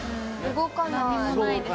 動かないでしょ？